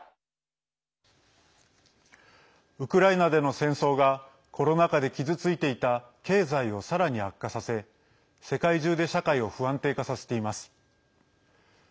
ウクライナでの戦争がコロナ禍で傷ついていた経済をさらに悪化させ、世界中で社会を不安定化させています。